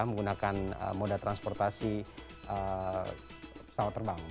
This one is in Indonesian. menggunakan moda transportasi pesawat terbang